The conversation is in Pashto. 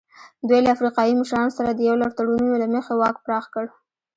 دوی له افریقایي مشرانو سره د یو لړ تړونونو له مخې واک پراخ کړ.